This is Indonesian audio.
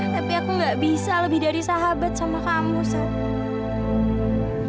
tapi aku gak bisa lebih dari sahabat sama kamu saat